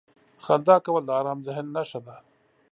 • خندا کول د ارام ذهن نښه ده.